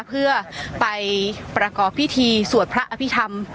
เพื่อไปประกอบพิธีสวดพระอภิษฐรรม